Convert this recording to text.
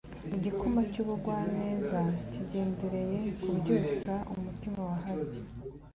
igikoma cy'ubugwaneza kigendereye kubyutsa umutima wahabye,